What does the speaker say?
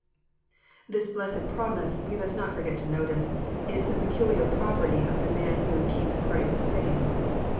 This blessed promise, we must not forget to notice, ia the peculiar property of the man who " keeps Christ's sayings."